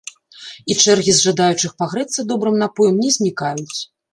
І чэргі з жадаючых пагрэцца добрым напоем не знікаюць.